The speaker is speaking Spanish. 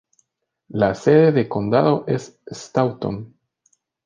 La sede de condado es Staunton.